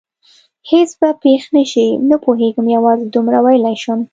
هېڅ به پېښ نه شي؟ نه پوهېږم، یوازې دومره ویلای شم.